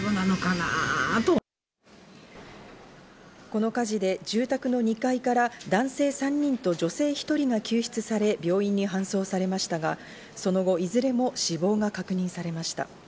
この火事で住宅の２階から男性３人と女性１人が救出され、病院に搬送されましたが、その後、いずれも死亡が確認されました。